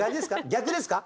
逆ですか？